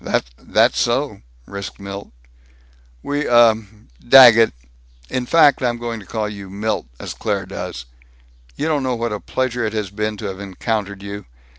"That's so," risked Milt. "We, uh Daggett In fact, I'm going to call you Milt, as Claire does. You don't know what a pleasure it has been to have encountered you.